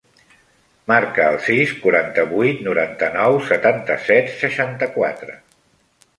Marca el sis, quaranta-vuit, noranta-nou, setanta-set, seixanta-quatre.